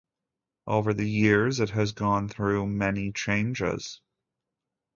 Over the years it has gone through many changes.